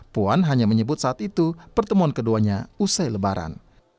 puan hanya menyebut saat itu pertemuan keduanya usai lebaran